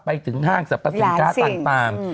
ไปถึงห้างสรรพสินค้าต่าง